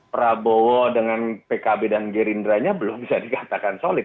prabowo dengan pkb dan girindranya belum bisa dikatakan sulit